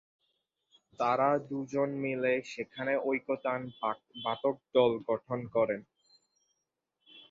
তারা দুজনে মিলে সেখানে ঐকতান-বাদকদল গঠন করেন।